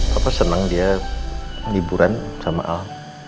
papa senang dia liburan sama al